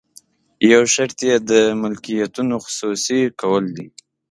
یو شرط یې د ملکیتونو خصوصي کول دي.